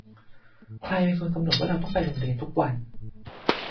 ใครเป็นคนกำหนดว่าเราต้องไปโรงเรียนทุกวัน